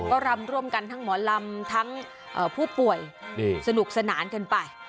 ก็รำร่วมกันทั้งหมอลำทั้งผู้ป่วยสนุกสนานกันไป